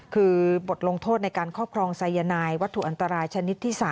คือบทลงโทษในการครอบครองสายนายวัตถุอันตรายชนิดที่๓